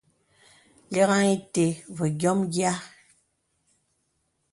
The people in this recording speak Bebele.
Lìgāŋ ìtə̀ və yɔ̄mə yìâ.